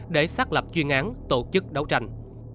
để xác lập chuyên án tổ chức đấu tranh